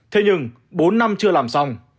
thế nhưng bốn năm chưa làm xong